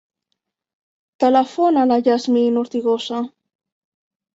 Telefona a la Yasmin Ortigosa.